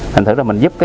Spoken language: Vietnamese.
thành thử là mình giúp